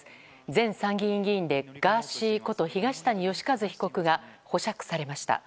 前参議院議員でガーシーこと東谷義和被告が保釈されました。